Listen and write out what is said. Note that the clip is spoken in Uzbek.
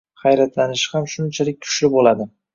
hayratlanishi ham shunchalik kuchli bo‘ladi.